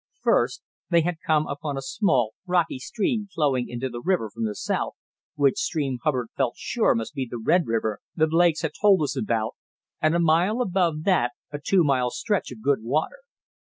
First they had come upon a small, rocky stream flowing into our river from the south, which stream Hubbard felt sure must be the Red River the Blakes had told us about, and a mile above that a two mile stretch of good water.